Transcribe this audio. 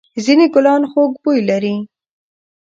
ځېنې گلان خوږ بوی لري.